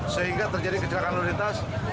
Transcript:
sehingga terjadi kecelakaan lalu lintas